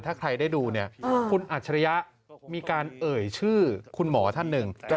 ถ้าใครได้ดูเนี่ยคุณอัจฉริยะมีการเอ่ยชื่อคุณหมอท่านหนึ่ง